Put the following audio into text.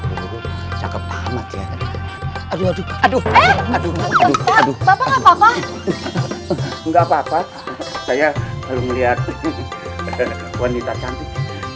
aduh aduh aduh aduh aduh aduh enggak papa papa saya melihat wanita cantik